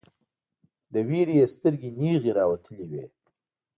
له ویرې یې سترګې نیغې راوتلې وې